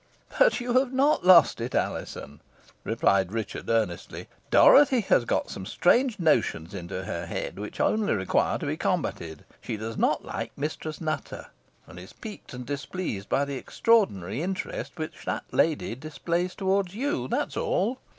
"But you have not lost it, Alizon," replied Richard, earnestly. "Dorothy has got some strange notions into her head, which only require to be combated. She does not like Mistress Nutter, and is piqued and displeased by the extraordinary interest which that lady displays towards you. That is all."